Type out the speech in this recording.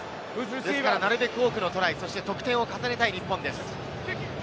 ですから、なるべく多くのトライ、得点を重ねたい日本です。